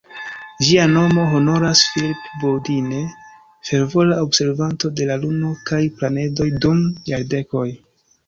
Ĝia nomo honoras "Phillip Budine", fervora observanto de la Luno kaj planedoj dum jardekoj.